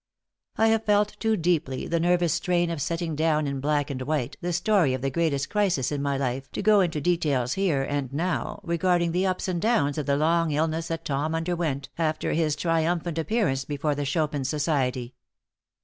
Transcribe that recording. I have felt too deeply the nervous strain of setting down in black and white the story of the greatest crisis in my life to go into details here and now regarding the ups and downs of the long illness that Tom underwent after his triumphant appearance before the Chopin Society.